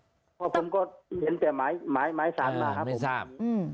เพราะผมก็เห็นแต่หมายหมายสารมาครับไม่ทราบอืม